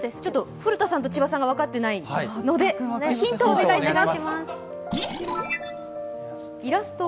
古田さんと千葉さんが分かっていないのでヒントをお願いします。